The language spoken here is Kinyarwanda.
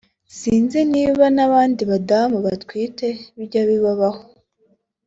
“Sinzi niba n’abandi badamu batwite bijya bibabaho